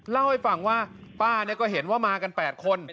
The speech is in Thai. เล่าให้ฟังว่าป้าก็เห็นว่ามากัน๘คน